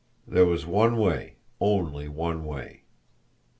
There was one way only one way!